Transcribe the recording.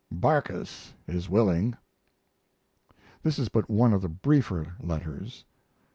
Barkis is willing. This is but one of the briefer letters.